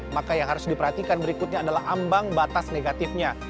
maka yang harus diperhatikan berikutnya adalah ambang batas negatifnya